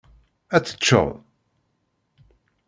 Ad teččeḍ?